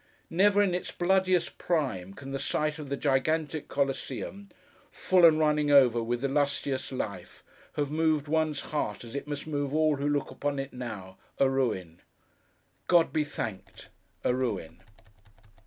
Never, in its bloodiest prime, can the sight of the gigantic Coliseum, full and running over with the lustiest life, have moved one's heart, as it must move all who look upon it now, a ruin. GOD be thanked: a ruin!